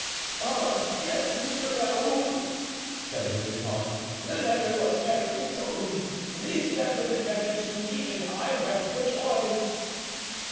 "Oh, yes, Monsieur Raoul!" said Mousqueton, "the letter was very consoling. These gentlemen read it to me and I wept for joy."